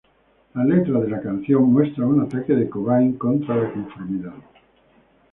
La letra de la canción muestran un ataque de Cobain contra la conformidad.